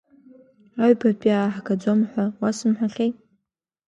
Аҩбатәи ааҳгаӡом ҳәа уасымҳәахьеи.